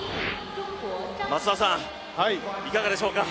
松田さん、いかがでしょうか。